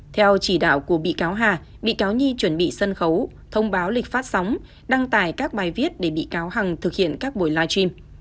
theo chỉ đạo của bị cáo hà bị cáo nhi chuẩn bị sân khấu thông báo lịch phát sóng đăng tải các bài viết để bị cáo hằng thực hiện các buổi live stream